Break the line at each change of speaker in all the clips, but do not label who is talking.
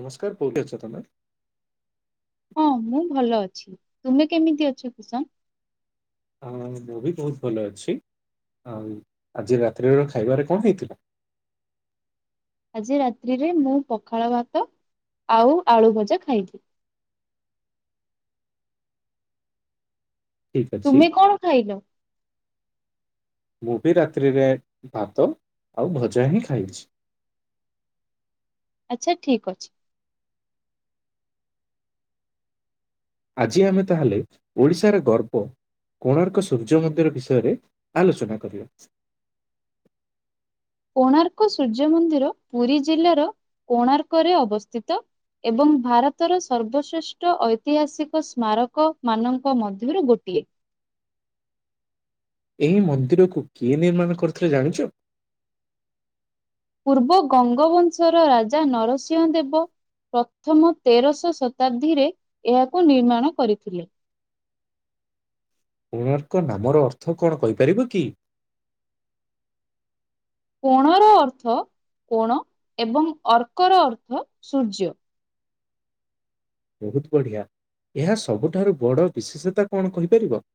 ନମସ୍କାର କୋଉଠି ଅଛ ତମେ?
ହଁ ମୁଁ ଭଲ ଅଛି, ତୁମେ କେମିତି ଅଛ କୁଷନ୍?
ହଁ ମୁଁ ବି ବହୁତ ଭଲ ଅଛି ଅମ୍ ଆଜି ରାତ୍ରିର ଖାଇବାରେ କଣ ହେଇଥିଲା?
ଆଜି ରାତ୍ରିରେ ମୁଁ ପଖାଳ ଭାତ ଆଉ ଆଳୁ ଭଜା ଖାଇଲି।
ଠିକ୍ ଅଛି
ତୁମେ କଣ ଖାଇଲ?
ମୁଁ ବି ରାତ୍ରିରେ ଭାତ ଆଉ ଭଜା ହିଁ ଖାଇଛି।
ଆଚ୍ଛା ଠିକ୍ ଅଛି।
ଆଜି ଆମେ ତାହେଲେ ଓଡିଶାରେ ଗର୍ବ କୋଣାର୍କ ସୂର୍ଯ୍ୟ ମନ୍ଦିର ବିଷୟରେ ଆଲୋଚନା କରିବା।
କୋଣାର୍କ ସୂର୍ଯ୍ୟ ମନ୍ଦିର ପୁରୀ ଜିଲ୍ଲାର କୋଣାର୍କରେ ଅବସ୍ଥିତ। ଏବଂ ଭାରତର ସର୍ବଶ୍ରେଷ୍ଠ ଐତିହାସିକ ସ୍ମାରକ ମାନଙ୍କ ମଧ୍ୟରୁ ଗୋଟିଏ।
ଏହି ମନ୍ଦିରକୁ କିଏ ନିର୍ମାଣ କରିଥିଲେ ଜାଣିଚ?
ପୂର୍ବ ଗଙ୍ଗବଂଶର ରାଜା ନରସିଂହ ଦେବ। ପ୍ରଥମ ତେରଶ ଶତାବ୍ଦୀରେ ଏହାକୁ ନିର୍ମାଣ କରିଥିଲେ।
କୋଣାର୍କ ନାମର ଅର୍ଥ କଣ କହିପାରିବ କି?
କୋଣର ଅର୍ଥ କୋଣ ଏବଂ ଅର୍କର ଅର୍ଥ ସୂର୍ଯ୍ୟ।
ବହୁତ ବଢିଆ, ଏହା ସବୁଠାରୁ ବଡ ବିଶେଷତା କଣ କହିପାରିବ?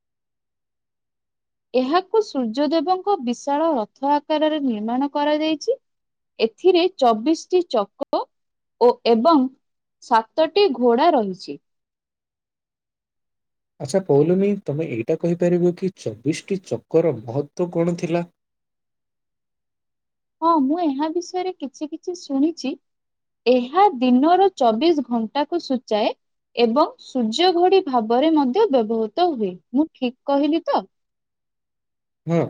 ଏହାକୁ ସୂର୍ଯ୍ୟଦେବଙ୍କ ବିଶାଳ ରଥ ଆକାରରେ ନିର୍ମାଣ କରାଯାଇଛି। ଏଥିରେ ଚବିଶଟି ଚକ ଓ ଏବଂ ସାତଟି ଘୋଡା ରହିଛି।
ଆଛା କହିଲନି ତମେ ଏଇଟା କହିପାରିବ କି ଚବିଶଟି ଚକର ମହତ୍ଵ କଣ ଥିଲା?
ହଁ ମୁଁ ଏହା ବିଷୟରେ କିଛି କିଛି ଶୁଣିଛି। ଏହା ଦିନର ଚବିଶ ଘଣ୍ଟାକୁ ସୂଚାଏ। ଏବଂ ସୂର୍ଯ୍ୟ ଘଡି ଭାବରେ ମଧ୍ୟ ବ୍ୟବହୃତ ହୁଏ ମୁଁ ଠିକ କହିଲି ତ।
ହଁ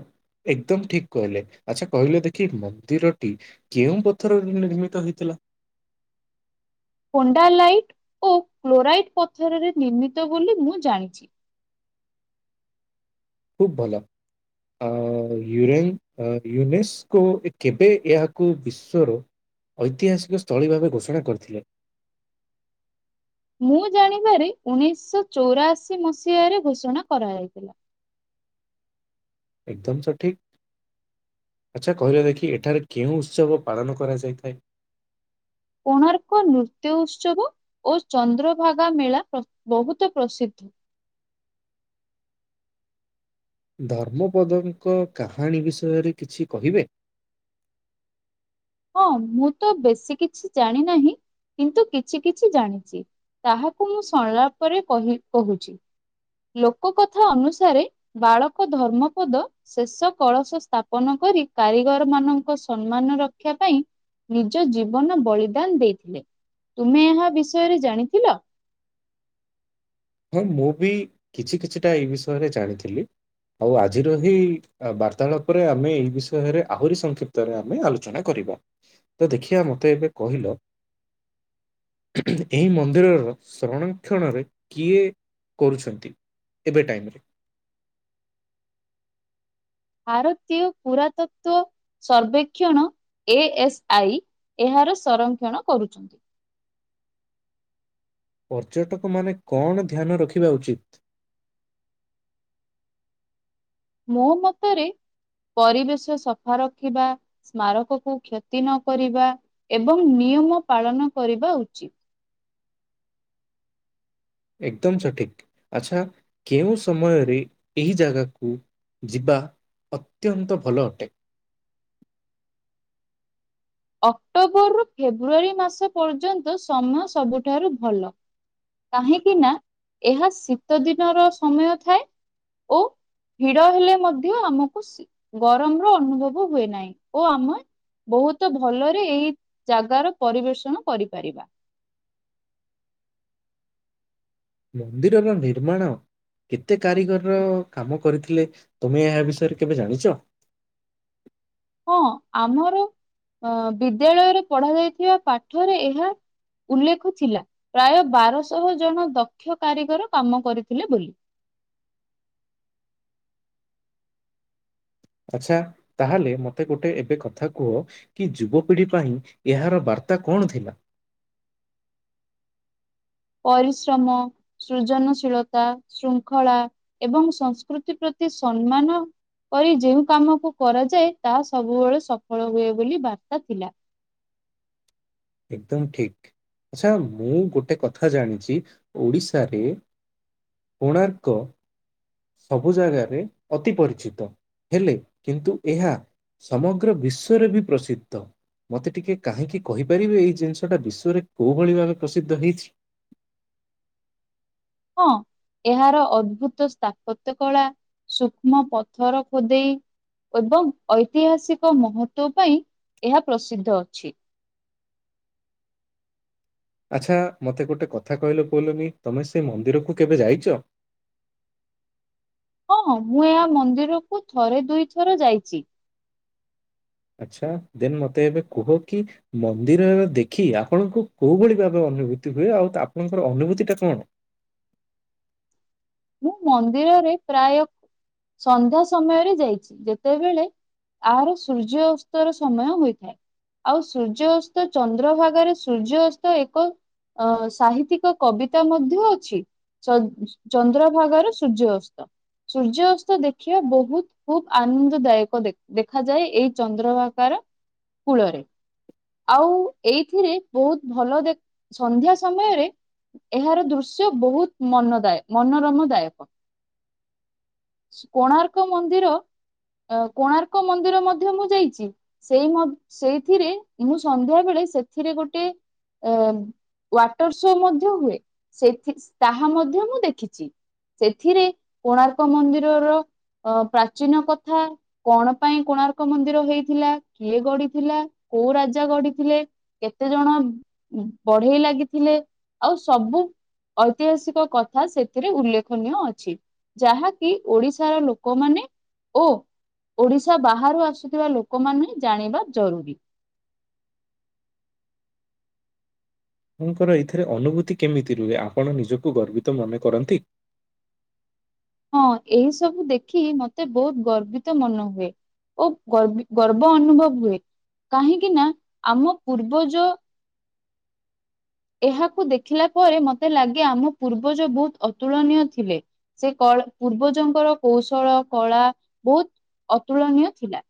ଏକଦମ ଠିକ କହିଲେ ଆଚ୍ଛା କହିଲେ ଦେଖି ମନ୍ଦିରଟି କେଉଁ ପଥରରେ [unintelligible] ନିର୍ମିତ ହେଇଥିଲା?
ପଣ୍ଡାଲାଇଟ ଓ କ୍ଲୋରାଇଟ୍ ପଥରରେ ନିର୍ମିତ ବୋଲି ମୁଁ ଜାଣିଛି।
ଖୁବ ଭଲ ଅ ୟୁରେନ୍ ୟୁନିସ୍। କୁ କେବେ ଏହାକୁ ବିଶ୍ଵର ଐତିହାସିକ ସ୍ଥଳୀ ଭାବେ ଘୋଷଣା କରିଥିଲେ?
ମୁଁ ଜାଣିବାରେ ଉଣେଇଶହ ଚଉରାଅଶି ମସିହାରେ ଘୋଷଣା କରାଯାଇଥିଲା।
ଏକଦମ ସଠିକ। ଆଛା କହିଲ ଦେଖି ଏଠାରେ କେଉଁ ଉତ୍ସବ ପାଳନ କରାଯାଇଥାଏ।
କୋଣାର୍କ ନୃତ୍ୟ ଉତ୍ସବ। ଓ ଚନ୍ଦ୍ରଭାଗା ମେଳା ପ୍ର ବହୁତ ପ୍ରସିଦ୍ଧ।
ଧର୍ମପଦଙ୍କ କାହାଣୀ ବିଷୟରେ କିଛି କହିବେ?
ହଁ ମୁଁ ତ ବେଶୀ କିଛି ଜାଣି ନାହିଁ କିନ୍ତୁ କିଛି କିଛି ଜାଣିଛି। ତାହାକୁ ମୁଁ ସଂଳାପରେ କହି କହୁଛି। ଲୋକ କଥା ଅନୁସାରେ ବାଳକ ଧର୍ମପଦ ଶେଷ କଳସ ସ୍ଥାପନ କରି କାରିଗର ମାନଙ୍କ ସମ୍ମାନ ରକ୍ଷା ପାଇଁ। ନିଜ ଜୀବନ ବଳିଦାନ ଦେଇଥିଲେ ତୁମେ ଏହା ବିଷୟରେ ଜାଣିଥିଲ?
ହଁ ମୁଁ ବି କିଛି କିଛିଟା ଏଇ ବିଷୟରେ ଜାଣିଥିଲି ଆଉ ଆଜିର ହି ବାର୍ତାଳାପରେ ଆମେ ଏଇ ବିଷୟରେ ଆହୁରି ସଂକ୍ଷିପ୍ତରେ ଆମେ ଆଲୋଚନା କରିବା। ତ ଦେଖିଆ ମତେ ଏବେ କହିଲ ଏହି ମନ୍ଦିରର ସଂରକ୍ଷଣରେ କିଏ କରୁଛନ୍ତି? ଏବେ ଟାଇମ୍ ରେ।
ଆରତୀୟ ପୁରାତତ୍ଵ ସର୍ବେକ୍ଷଣ ଏ ଏସ୍ ଆଇ ଏହାର ସଂରକ୍ଷଣ କରୁଛନ୍ତି।
ପର୍ଯ୍ୟଟକ ମାନେ କଣ ଧ୍ୟାନ ରଖିବା ଉଚିତ୍?
ମୋ ମତରେ ପରିବେଶ ସଫା ରଖିବା ସ୍ମାରକ କୁ କ୍ଷତି ନ କରିବା ଏବଂ ନିୟମ ପାଳନ କରିବା ଉଚିତ।
ଏକଦମ ସଠିକ୍। ଆଚ୍ଛା କେଉଁ ସମୟରେ ଏହି ଜାଗାକୁ ଯିବା? ଅତ୍ୟନ୍ତ ଭଲ ଅଟେ।
ଅକ୍ଟୋବରରୁୁ ଫେବୃଆରୀ ମାସ ପର୍ଯ୍ୟନ୍ତ ସମୟ ସବୁଠାରୁ ଭଲ। କାହିଁକି ନା ଏହା ଶୀତ ଦିନର ସମୟ ଥାଏ। ଓ ଭିଡ ହେଲେ ମଧ୍ୟ ଆମକୁ ଶି ଗରମ ରୁ ଅନୁଭବ ହୁଏ ନାହିଁ ଓ ଆମେ ବହୁତ ତ ଭଲରେ ଏଇ ଜାଗାର ପରିବେଷଣ କରିପାରିବା।
ମନ୍ଦିରର ନିର୍ମାଣ ଏତେ କାରିଗରର କାମ କରିଥିଲେ ତମେ ଏହା ବିଷୟରେ କେବେ ଜାଣିଛ?
ହଁ ଆମର ଅ ବିଦ୍ୟାଳୟରେ ପଢା ଯାଇଥିବା ପାଠରେ ଏହା ଉଲ୍ଲେଖ ଥିଲା ପ୍ରାୟ ବାରଶହ ଜଣ ଦକ୍ଷ କାରିଗର କାମ କରିଥିଲେ ବୋଲି।
ଆଚ୍ଛା ତାହାଲେ ମତେ ଗୋଟେ ଏବେ କଥା କୁହ କି ଯୁବପିଢି ପାଇଁ ଏହାର ବାର୍ତ୍ତା କଣ ଥିଲା?
ପରିଶ୍ରମ ସୃଜନଶୀଳତା, ଶୃଙ୍ଖଳା ଏବଂ ସଂସ୍କୃତି ପ୍ରତି ସମ୍ମାନ କରି ଯେଉଁ କାମକୁ କରାଯାଏ, ତାହା ସବୁବେଳେ ସଫଳ ହୁଏ ବୋଲି ବାର୍ତ୍ତା ଥିଲା।
ଏକଦମ୍ ଠିକ୍, ଆଚ୍ଛା ମୁଁ ଗୋଟେ କଥା ଜାଣିଚି ଓଡ଼ିଶାରେ କୋଣାର୍କ ସବୁ ଜାଗାରେ ଅତି ପରିଚିତ, ହେଲେ କିନ୍ତୁ ଏହା ସମଗ୍ର ବିଶ୍ୱରେ ବି ପ୍ରସିଦ୍ଧ, ମତେ ଟିକେ କାହିଁକି କହି ପାରିବେ ଏଇ ଜିନିଷଟା ବିଶ୍ୱରେ କୋଉ ଭଳି ଭାବେ ପ୍ରସିଦ୍ଧ ହେଇଛି?
ହଁ ଏହାର ଅଦ୍ଭୁତ ସ୍ଥାପତ୍ୟ କଳା ସୂକ୍ଷ୍ମ ପଥର ଖୋଦେଇ ଏବଂ ଐତିହାସିକ ମହତ୍ଵ ପାଇଁ ଏହା ପ୍ରସିଦ୍ଧ ଅଛି।
ଆଚ୍ଛା ମୋତେ ଗୋଟେ କଥା କହିଲ କହିଲନି ତମେ ସେ ମନ୍ଦିରକୁ କେବେ ଯାଇଚ?
ହଁ ମୁଁ ଏହା ମନ୍ଦିରକୁ ଥରେ ଦୁଇଥର ଯାଇଚି।
ଆଚ୍ଛା ଦେନ୍ ମତେ ଏବେ କୁହ କି ମନ୍ଦିରରେ ଦେଖି ଆପଣଙ୍କୁ କୋଉ ଭଳି ଭାବେ ଅନୁଭୂତି ହୁଏ, ଆଉ ଆପଣଙ୍କର ଅନୁଭୂତି ଟା କଣ?
ମୁଁ ମନ୍ଦିରରେ ପ୍ରାୟ ସନ୍ଧ୍ୟା ସମୟରେ ଯାଇଛି, ଯେତେବେଳେ [unintelligible] ସୂର୍ଯ୍ୟ ଅସ୍ତର ସମୟ ହୋଇଥାଏ। ଆଉ ସୂର୍ଯ୍ୟ ଅସ୍ତ ଚନ୍ଦ୍ରଭାଗା ରେ ସୂର୍ଯ୍ୟ ଅସ୍ତ ଏକ ଅ ସାହିତିକ କବିତା ମଧ୍ୟ ଅଛି [unintelligible] ଚନ୍ଦ୍ରଭାଗାର ସୂର୍ଯ୍ୟ ଅସ୍ତ, ସୂର୍ଯ୍ୟ ଅସ୍ତ ଦେଖିବା ବହୁତ୍ ଖୁବ୍ ଆନନ୍ଦ ଦାୟକ ଦେ ଦେଖାଯାଏ ଏଇ ଚନ୍ଦ୍ରଭାଗାର କୂଳରେ। ଆଉ ଏଇଥିରେ ବହୁତ୍ ଭଲ ଦେଖ୍ ସନ୍ଧ୍ୟା ସମୟରେ ଏହାର ଦୃଶ୍ୟ ବହୁତ୍ ମନଦାୟ ମନୋରମ ଦାୟକ। କୋଣାର୍କ ମନ୍ଦିର ଅ କୋଣାର୍କ ମନ୍ଦିର ମଧ୍ୟ ମୁଁ ଯାଇଚି। ସେଇ ମ ସେଇଥିରେ ମୁଁ ସନ୍ଧ୍ୟାବେଳେ ସେଥିରେ ଗୋଟେ ଏ ୱାଟର ଶୋ ମଧ୍ୟ ହୁଏ, ସେଥି ତାହା ମଧ୍ୟ ମୁଁ ଦେଖ୍ ଖିଚି ସେଥିରେ କୋଣାର୍କ ମନ୍ଦିରର ଅଁ ପ୍ରାଚୀନ କଥା କଣ ପାଇଁ କୋଣାର୍କ ମନ୍ଦିର ହେଇଥିଲା, କିଏ ଗଢିଥିଲା, କୋଉ ରାଜା ଗଢିଥିଲେ କେତେଜଣ ବଢେଇ ଲାଗିଥିଲେ, ଆଉ ସବୁ ଐତିହାସିକ କଥା ସେ ଥିରେ ଉଲ୍ଲେଖନୀୟ ଅଛି, ଯାହାକି ଓଡିଶାର ଲୋକମାନେ ଓ ଓଡିଶା ବାହାରୁ ଆସୁଥିବା ଲୋକମାନେ ଜାଣିବା ଜରୁରୀ।
ଆପଣଙ୍କର ଏଥିରେ ଅନୁଭୂତି କେମିତି ରୁହେ, ଆପଣ ନିଜକୁ ଗର୍ବିତ ମନେ କରନ୍ତି?
ହଁ ଏହିସବୁ ଦେଖି ମତେ ବହୁତ୍ ଗର୍ବିତ ମନେ ହୁଏ। ଓ ଗର୍ବି ଗର୍ବ ଅନୁଭବ ହୁଏ, କାହିଁକି ନା ଆମ ପୂର୍ବଜ ଏହାକୁ ଦେଖିଲା ପରେ ମତେ ଲାଗେ ଆମ ପୂର୍ବଜ ବହୁତ୍ ଅତୁଳନୀୟ ଥିଲେ। ସେ କଳ ପୂର୍ବଜଙ୍କର କୌଶଳ କଳା ବହୁତ୍ ଅତୁଳନୀୟ ଥିଲା।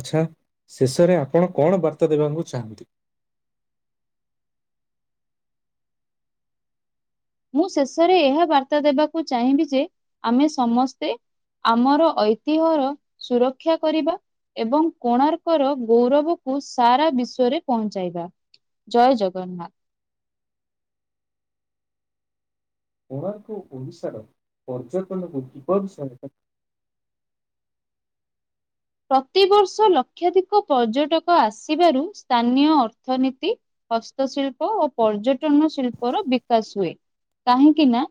ଆଚ୍ଛା, ଶେଷରେ ଆପଣ କଣ ବାର୍ତ୍ତା ଦେବାକୁ ଚାହାଁନ୍ତି?
ମୁଁ ଶେଷରେ ଏହା ବାର୍ତ୍ତା ଦେବାକୁ ଚାହିଁବି ଯେ ଆମେ ସମସ୍ତେ ଆମର ଐତିହ୍ୟର ସୁରକ୍ଷା କରିବା ଏବଂ କୋଣାର୍କର ଗୌରବକୁ ସାରା ବିଶ୍ଵରେ ପହଞ୍ଚାଇବା। ଜୟ ଜଗନ୍ନାଥ।
କୋଣାର୍କୁ ଓଡିଶାର ପର୍ଯ୍ୟଟନକୁ [unintelligible] ବିଷୟରେ
ପ୍ରତିବର୍ଷ ଲକ୍ଷାଧିକ ପର୍ଯ୍ୟଟକ ଆସିବାରୁ ସ୍ଥାନୀୟ ଅର୍ଥନୀତି ହସ୍ତଶିଳ୍ପ ଓ ପର୍ଯ୍ୟଟନ ଶିଳ୍ପ ର ବିକାଶ ହୁଏ। କାହିଁକି ନା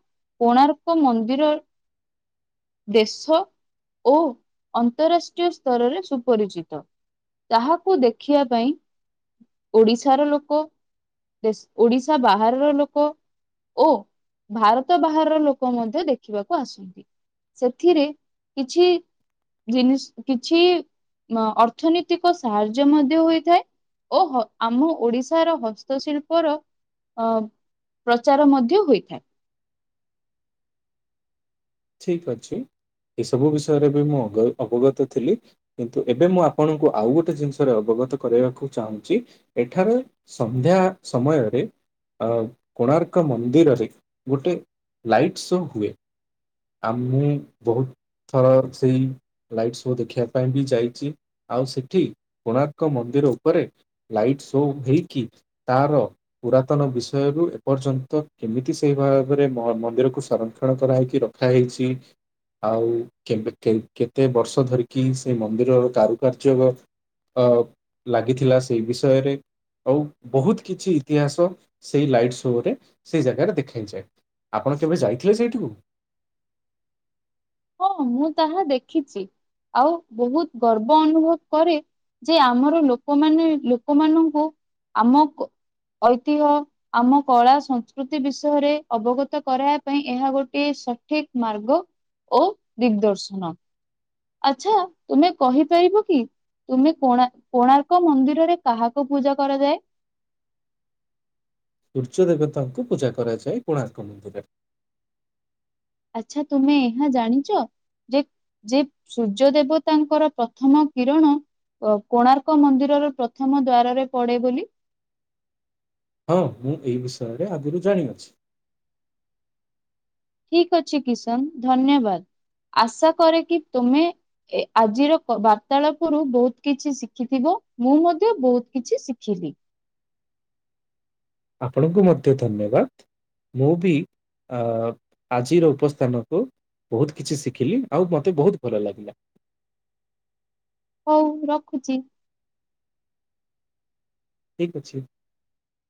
କୋଣାର୍କ ମନ୍ଦିର ଦେଶ ଓ ଅନ୍ତରାଷ୍ଟ୍ରୀୟ ସ୍ତରରେ ସୁପରିଚିତ ତାହାକୁ ଦେଖିବା ପାଇଁ ଓଡିଶାର ଲୋକ ଦେଶ୍ ଓଡିଶା ବାହାରର ଲୋକ ଓ ଭାରତ ବାହାରର ଲୋକ ମଧ୍ୟ ଦେଖିବାକୁ ଆସନ୍ତି। ସେଥିରେ କିଛି ଜିନିଷ କିଛି ଅର୍ଥନୀତିକ ସାହାଯ୍ୟ ମଧ୍ୟ ହୋଇଥାଏ। ଓ ହୋ ଆମ ଓଡିଶାର ହସ୍ତଶିଳ୍ପର ଅ ପ୍ରଚାର ମଧ୍ୟ ହୋଇଥାଏ।
ଠିକ ଅଛି ଏସବୁ ବିଷୟରେ ବି ମୁଁ ଅଗ ଅବଗତ ଥିଲି। କିନ୍ତୁ ଏବେ ମୁଁ ଆପଣଙ୍କୁ ଆଉ ଗୋଟେ ଜିନିଷରେ ଅବଗତ କରାଇବାକୁ ଚାହୁଁଛି ଏଠାରେ ସନ୍ଧ୍ୟା ସମୟରେ ଅ କୋଣାର୍କ ମନ୍ଦିରରେ ଗୋଟେ ଲାଇଟ୍ ଶୋ ହୁଏ। ଆମୁଁ ବହୁତ ଥର ସେଇ ଲାଇଟ୍ ଶୋ ଦେଖିବା ପାଇଁ ବି ଯାଇଛି। ଆଉ ସେଠି କୋଣାର୍କ ମନ୍ଦିର ଉପରେ ଲାଇଟ୍ ଶୋ ହେଇକି ତାର ପୁରାତନ ବିଷୟରୁ ଏପର୍ଯ୍ୟନ୍ତ କେମିତି ସେଇ ଭାବରେ ମନ୍ଦିରକୁ ସଂରକ୍ଷଣ କରାହେଇର ଖା ହେଇଛି ଆଉ କେବେ କେ କେତେ ବର୍ଷ ଧରିକି ସେ ମନ୍ଦିରର କାରୁକାର୍ଯ୍ୟ ର ଅ ଲାଗିଥିଲା ସେଇ ବିଷୟରେ ଆଉ ବହୁତ କିଛି ଇତିହାସ ସେଇ ଲାଇଟ୍ ଶୋରେ ସେଇ ଜାଗାରେ ଦେଖେଇଯାଏ। ଆପଣ କେବେ ଯାଇଥିଲେ ସେଇଠିକୁ?
ହଁ ମୁଁ ତାହା ଦେଖିଛି ଆଉ ବହୁତ ଗର୍ବ ଅନୁଭବ କରେ ଯେ ଆମର ଲୋକମାନେ ଲୋକମାନଙ୍କୁ ଆମକୁ ଐତିହ୍ୟ ଆମ କଳା ସଂସ୍କୃତି ବିଷୟରେ ଅବଗତ କରାଇବା ପାଇଁ ଏହା ଗୋଟିଏ ସଠିକ ମାର୍ଗ। ଓ ଦିଗଦର୍ଶନ। ଆଛା ତୁମେ କହିପାରିବ କି? ତୁମେ କୋଣା କୋଣାର୍କ ମନ୍ଦିରରେ କାହାକୁ ପୂଜା କରାଯାଏ?
ସୂର୍ଯ୍ୟ ଦେବତାଙ୍କୁ ପୂଜା କରାଯାଏ କୋଣାର୍କ ମନ୍ଦିରରେ।
ଆଚ୍ଛା ତୁମେ ଏହା ଜାଣିଛ ଯେ ଯେ ସୂର୍ଯ୍ୟ ଦେବତାଙ୍କର ପ୍ରଥମ କିରଣ ଅ କୋଣାର୍କ ମନ୍ଦିରର ପ୍ରଥମ ଦ୍ଵାରରେ ପଡେ ବୋଲି।
ହଁ ମୁଁ ଏ ବିଷୟରେ ଆଗରୁ ଜାଣିଅଛି।
ଠିକ ଅଛି କିଶନ ଧନ୍ୟବାଦ ଆଶା କରେ କି ତୁମେ ଏ ଆଜିର କ ବାର୍ତ୍ତାଳାପରୁ ବହୁତ କିଛି ଶିଖିଥିବ ମୁଁ ମଧ୍ୟ ବହୁତ କିଛି ଶିଖିଲି।
ଆପଣଙ୍କୁ ମଧ୍ୟ ଧନ୍ୟବାଦ। ମୁଁ ବି ଅ ଆଜିର ଉପସ୍ଥାନକୁ ବହୁତ କିଛି ଶିଖିଲି ଆଉ ମୋତେ ବହୁତ ଭଲ ଲାଗିଲା।
ହଉ ରଖୁଚି।
ଠିକ୍ ଅଛି।